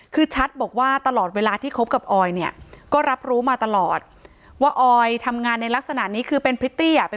คือชัดบอกว่าตลอดเวลาที่คบกับออยเนี่ยก็รับรู้มาตลอดว่าออยทำงานในลักษณะนี้คือเป็นพริตตี้อ่ะ